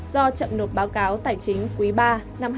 do chậm nộp báo cáo tài chính quý ba năm hai nghìn hai mươi